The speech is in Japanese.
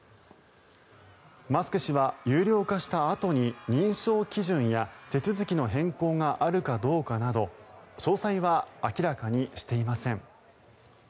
マスク氏は有料化したあとに認証基準や手続きの変更があるかどうかなど詳細は明らかにしていません。